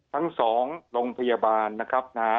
ทั้งสองโรงพยาบาลนะครับ